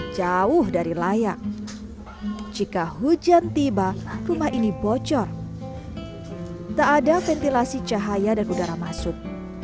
jauh dari layak jika hujan tiba rumah ini bocor tak ada ventilasi cahaya dan udara masuk